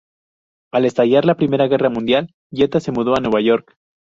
Al estallar la Primera Guerra Mundial, Jetta se mudó a Nueva York.